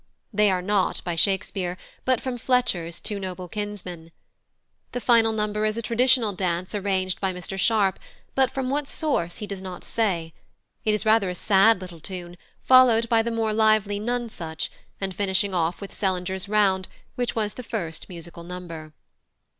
They are not by Shakespeare, but from Fletcher's Two Noble Kinsmen. The final number is a traditional dance arranged by Mr Sharp, but from what source he does not say; it is rather a sad little tune, followed by the more lively "Nonsuch," and finishing off with "Sellenger's Round," which was the first musical number.